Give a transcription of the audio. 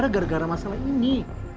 gara gara masalah ini